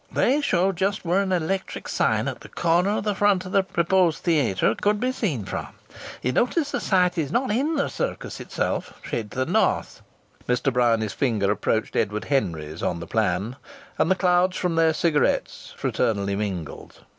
"They show just where an electric sign at the corner of the front of the proposed theatre could be seen from. You notice the site is not in the Circus itself a shade to the north." Mr. Bryany's finger approached Edward Henry's on the plan, and the clouds from their cigarettes fraternally mingled.